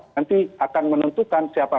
nanti akan menentukan siapa